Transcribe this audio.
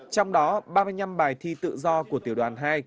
trong đó ba mươi năm bài thi tự do của tiểu đoàn hai